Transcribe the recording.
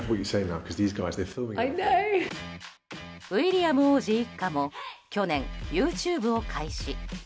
ウィリアム王子一家も、去年ＹｏｕＴｕｂｅを開始。